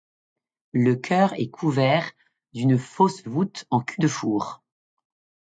Le chœur est couvert d'une fausse voûte en cul de four.